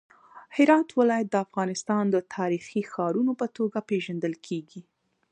هرات ولایت د افغانستان د تاریخي ښارونو په توګه پیژندل کیږي.